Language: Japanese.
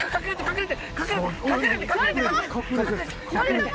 隠れて隠れて！